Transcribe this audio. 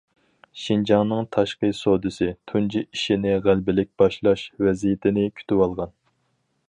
شىنجاڭنىڭ تاشقى سودىسى« تۇنجى ئىشنى غەلىبىلىك باشلاش» ۋەزىيىتىنى كۈتۈۋالغان.